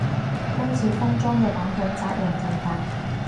今次封裝嘅版本責任重大